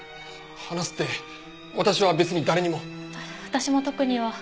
話すって私は別に誰にも。私も特には。